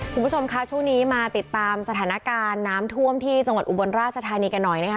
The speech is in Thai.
คุณผู้ชมค่ะช่วงนี้มาติดตามสถานการณ์น้ำท่วมที่จังหวัดอุบลราชธานีกันหน่อยนะคะ